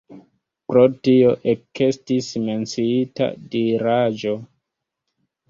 Pro tio ekestis menciita diraĵo.